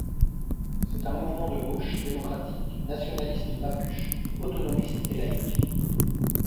C'est un mouvement de gauche, démocratique, nationaliste mapuche, autonomiste et laïque.